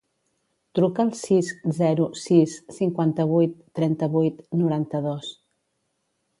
Truca al sis, zero, sis, cinquanta-vuit, trenta-vuit, noranta-dos.